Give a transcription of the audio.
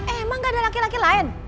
emang gak ada laki laki lain